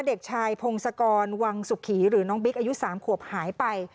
เด็กชายพงศกรวังสุขีหรือน้องบิ๊กอายุ๓ขวบหายไป